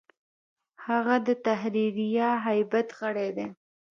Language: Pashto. هغه د تحریریه هیئت غړی دی.